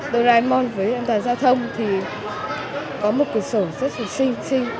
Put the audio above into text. đôi ra em mong với an toàn giao thông thì có một cửa sổ rất là xinh